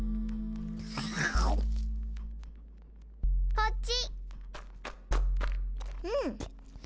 こっち。